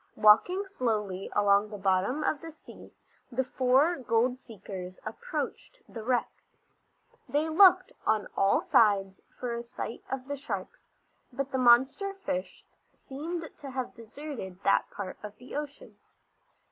Walking slowly along the bottom of the sea the four gold seekers approached the wreck. They looked on all sides for a sight of the sharks, but the monster fish seemed to have deserted that part of the ocean.